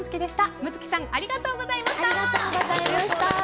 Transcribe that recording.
夢月さんありがとうございました。